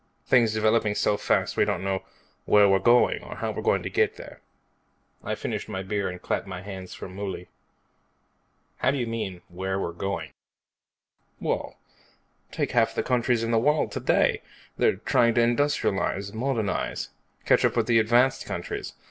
Things developing so fast we don't know where we're going or how we're going to get there." I finished my beer and clapped my hands for Mouley. "How do you mean, where we're going?" "Well, take half the countries in the world today. They're trying to industrialize, modernize, catch up with the advanced countries.